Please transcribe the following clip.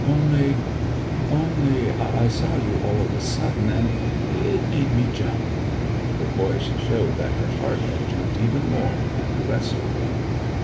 Only—only I saw you all of a sudden, and—it made me jump!' Her voice showed that her heart had jumped even more than the rest of her.